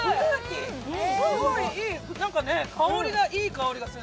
すごいいい香りがする。